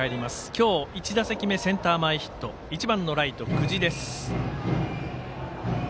今日、１打席目センター前ヒット１番のライト、久慈です。